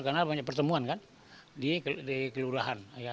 karena banyak pertemuan kan di kelurahan